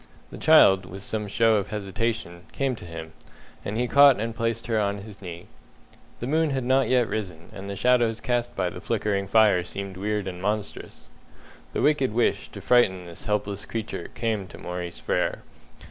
The child, with some show of hesitation, came to him, and he caught and placed her on his knee. The moon had not yet risen, and the shadows cast by the flickering fire seemed weird and monstrous. The wicked wish to frighten this helpless creature came to Maurice Frere.